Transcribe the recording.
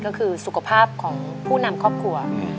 ก็คือสุขภาพของผู้นำครอบครัว